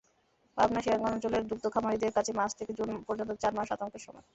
পাবনা-সিরাজগঞ্জ অঞ্চলের দুগ্ধ খামারিদের কাছে মার্চ থেকে জুন পর্যন্ত চার মাস আতঙ্কের সময়।